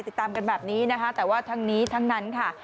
ติดตามกันแบบนี้นะคะแต่ว่าทั้งนี้ทั้งนั้นค่ะ